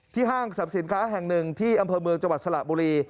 ห้างสรรพสินค้าแห่งหนึ่งที่อำเภอเมืองจังหวัดสระบุรี